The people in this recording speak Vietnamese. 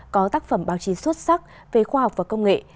có tác phẩm báo chí xuất sắc về khoa học và công nghệ